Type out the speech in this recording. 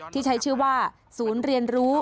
ที่ใช้ชื่อว่าศูนย์เรียนรู้